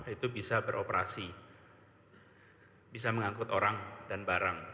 itu bisa beroperasi bisa mengangkut orang dan barang